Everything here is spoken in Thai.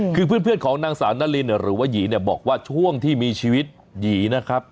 คือเพื่อนของนางสาวนารินหรือว่าหยีเนี่ยบอกว่าช่วงที่มีชีวิตหยีนะครับ